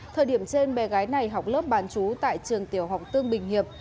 thời điểm trên bé gái này học lớp bán chú tại trường tiểu học tương bình hiệp